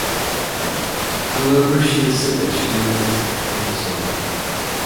However, she has said that she now likes to perform the song.